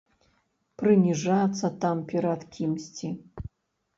Прыніжацца там перад кімсьці.